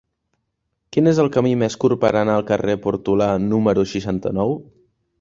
Quin és el camí més curt per anar al carrer de Portolà número seixanta-nou?